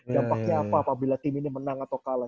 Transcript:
dampaknya apa apabila tim ini menang atau kalah